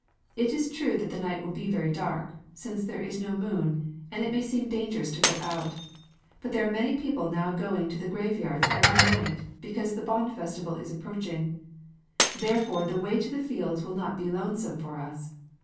"It is true that the night will be very dark, since there is no moon; and it may seem dangerous to go out. But there are many people now going to the graveyards every night, because the Bon festival is approaching; therefore the way to the fields will not be lonesome for us.